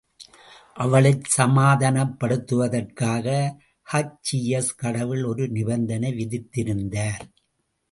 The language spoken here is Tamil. அவளைச் சமாதானப்படுத்துவதற்காகச் சீயஸ் கடவுள் ஒரு நிபந்தனை விதித்திருந்தார்.